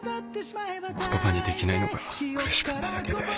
言葉にできないのが苦しかっただけで。